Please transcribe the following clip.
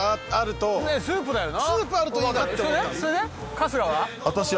春日は？